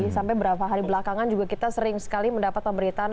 sampai beberapa hari belakangan juga kita sering sekali mendapat pemberitaan